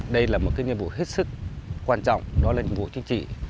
đây là một cái nhiệm vụ hết sức quan trọng đó là nhiệm vụ chính trị